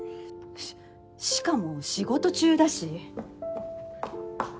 しかも仕事中だし！